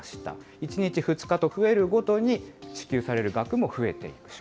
１日、２日と増えるごとに、支給される額も増えていくと。